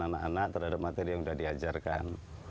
anak anak terhadap materi yang sudah diajarkan